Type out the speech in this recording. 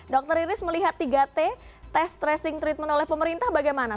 dr iris melihat tiga t tes tracing treatment oleh pemerintah bagaimana